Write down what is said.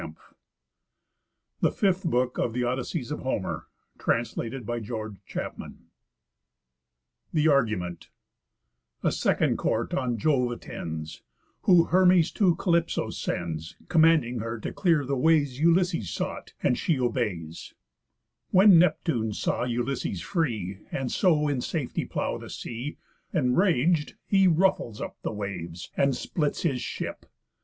_ THE FIFTH BOOK OF HOMER'S ODYSSEYS THE ARGUMENT A second Court on Jove attends; Who Hermes to Calypso sends, Commanding her to clear the ways Ulysses sought; and she obeys. When Neptune saw Ulysses free, And so in safety plough the sea, Enrag'd, he ruffles up the waves, And splits his ship.